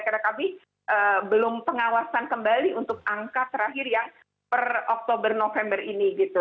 karena kami belum pengawasan kembali untuk angka terakhir yang per oktober november ini gitu